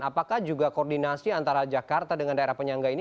apakah juga koordinasi antara jakarta dengan daerah penyangga ini